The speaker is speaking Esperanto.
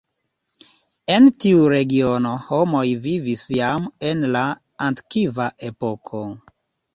En tiu regiono homoj vivis jam en la antikva epoko.